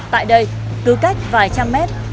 tại đây cứ cách vài trăm mét